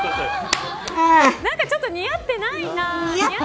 なんかちょっと似合ってないな。